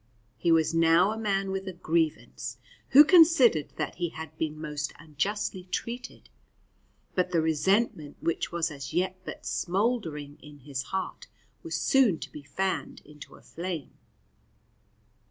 He was now a man with a grievance, who considered that he had been most unjustly treated, but the resentment which was as yet but smouldering in his heart was soon to be fanned into a flame.